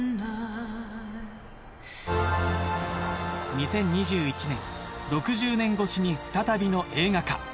２０２１年６０年越しに再びの映画化